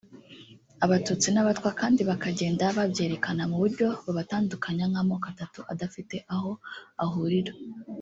Abatutsi n’Abatwa kandi bakagenda babyerekana mu buryo babatandukanya nk’amoko atatu adafite aho ahurira